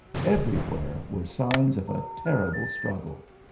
Everywhere were signs of a terrible struggle.